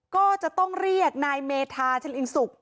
ก็จะต้องเรียกนายเมธาชะลิงสุก